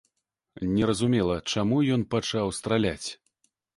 Незразумела, чаму ён пачаў страляць.